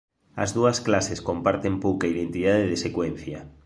As dúas clases comparten pouca identidade de secuencia.